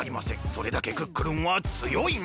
それだけクックルンはつよいんです！